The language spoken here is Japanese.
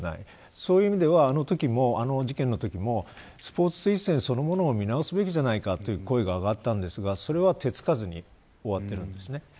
そういう意味ではあの事件のときもスポーツ推薦そのものを見直すべきじゃないかという声が上がったんですがそれは手付かずに終わっているんです。